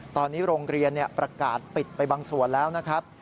ตอนนี้โรงเรียนประกาศปิดไปบางส่วนแล้วนะครับ